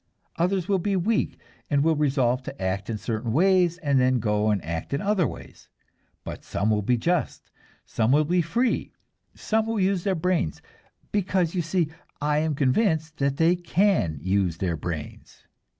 Others will be weak, and will resolve to act in certain ways, and then go and act in other ways. But some will be just; some will be free; some will use their brains because, you see, I am convinced that they can use their brains!